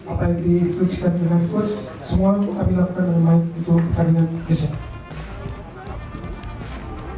apa yang diklikkan dengan kursus semua kami lakukan dengan baik untuk pergaduhan besok